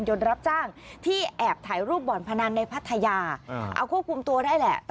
รับจ้างที่แอบถ่ายรูปบ่อนพนันในพัทยาเอาควบคุมตัวได้แหละ